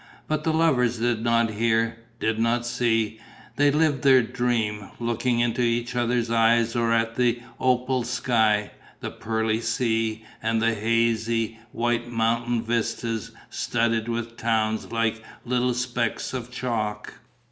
But the lovers did not hear, did not see; they lived their dream, looking into each other's eyes or at the opal sky, the pearly sea and the hazy, white mountain vistas, studded with towns like little specks of chalk.